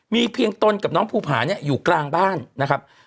มีเพียงตนกับน้องภูผาเนี่ยอยู่กลางบ้านนะครับ